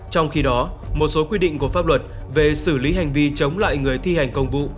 trong khi đó một số quy định của pháp luật về xử lý hành vi chống lại người thi hành công vụ